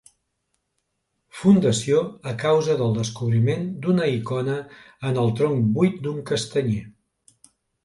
Fundació a causa del descobriment d'una icona en el tronc buit d'un castanyer.